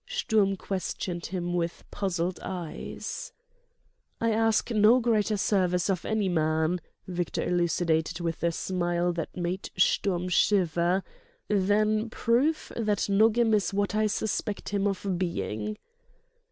Sturm questioned him with puzzled eyes. "I ask no greater service of any man," Victor elucidated with a smile that made Sturm shiver, "than proof that Nogam is what I suspect him of being."